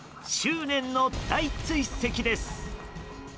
執念の大追跡です。